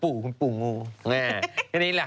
ปลาหมึกแท้เต่าทองอร่อยทั้งชนิดเส้นบดเต็มตัว